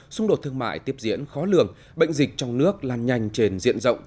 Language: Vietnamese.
xung đột thương mại tiếp diễn khó lường bệnh dịch trong nước lan nhanh trên diện rộng